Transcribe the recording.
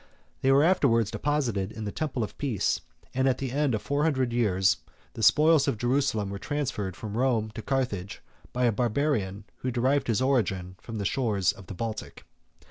They were afterwards deposited in the temple of Peace; and at the end of four hundred years, the spoils of Jerusalem were transferred from Rome to Carthage, by a Barbarian who derived his origin from the shores of the Baltic.